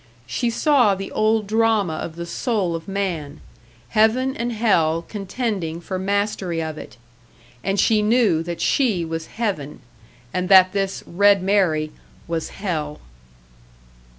She saw the old drama of the soul of man, heaven and hell contending for mastery of it; and she knew that she was heaven, and that this "Red Mary" was hell.